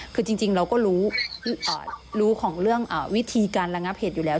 คือจริงเราก็รู้ของเรื่องวิธีการระงับเหตุอยู่แล้ว